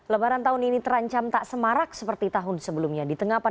lebaran tahun ini terancam tak semarak seperti tahun sebelumnya